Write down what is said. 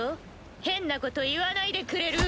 変なこと言わないでくれる！